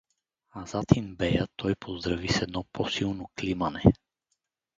Азатин бея той поздрави с едно по-силно климане.